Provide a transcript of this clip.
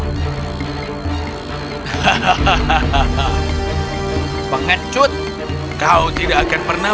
tapi dia hanya bisa mengahyunkan beberapa pukulan kepada angin puyuh